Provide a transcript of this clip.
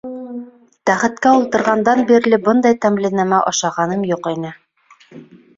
Тәхеткә ултырғандан бирле бындай тәмле нәмә ашағаным юҡ ине.